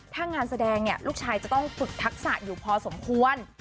ถ้างานแสดงเนี่ยลูกชายจะต้องฝึกทักษะอยู่พอสมควร